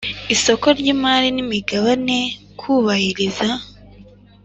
isoko ry imari n imigabane kubahiriza